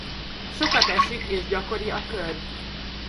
Sokat esik és gyakori a köd.